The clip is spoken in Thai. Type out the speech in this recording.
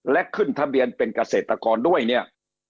และขึ้นทะเบียนเป็นเกษตรกรด้วยเนี่ย